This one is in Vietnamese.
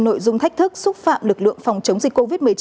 nội dung thách thức xúc phạm lực lượng phòng chống dịch covid một mươi chín